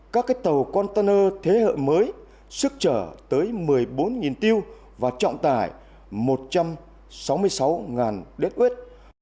các tàu container thế hệ mới sức trở tới một mươi bốn tiêu và trọng tải một trăm sáu mươi sáu đết huyết